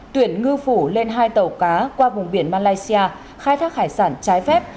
tuyển ngư phủ lên hai tàu cá qua vùng biển malaysia khai thác hải sản trái phép